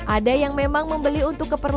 ada yang memang membeli untuk keperluan